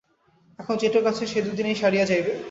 এখন যেটুকু আছে সে দুদিনেই সারিয়া যাইবে।